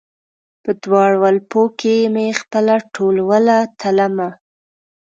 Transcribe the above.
په دواړ ولپو کې مې خپله ټولوله تلمه